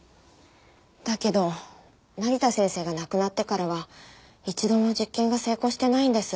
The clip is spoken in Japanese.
だけど成田先生が亡くなってからは一度も実験が成功してないんです。